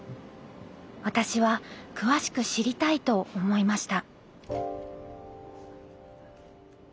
私は詳しく知りたいと思いました。